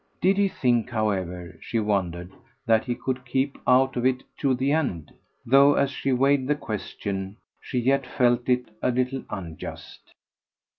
Did he think, however, she wondered, that he could keep out of it to the end? though as she weighed the question she yet felt it a little unjust.